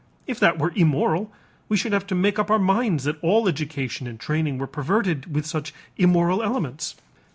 If that were immoral, we should have to make up our minds that all education and training were perverted with such immoral elements.